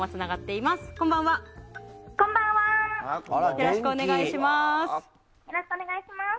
よろしくお願いします！